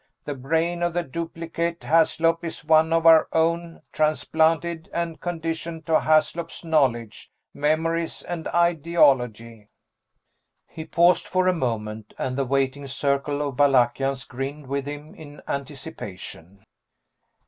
The brain of the duplicate Haslop is one of our own, transplanted and conditioned to Haslop's knowledge, memories and ideology." He paused for a moment, and the waiting circle of Balakians grinned with him in anticipation.